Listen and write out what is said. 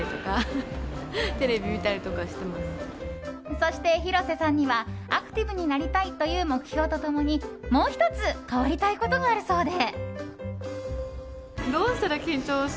そして広瀬さんにはアクティブになりたいという目標と共にもう１つ変わりたいことがあるそうで。